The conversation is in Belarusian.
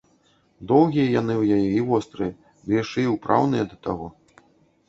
Доўгія яны ў яе і вострыя, ды яшчэ і ўпраўныя да таго.